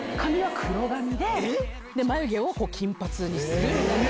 髪は黒髪で、眉毛を金髪にする。